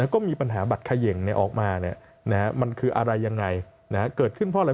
ก็มีปัญหาบัตรเขย่งออกมามันคืออะไรยังไงเกิดขึ้นเพราะอะไร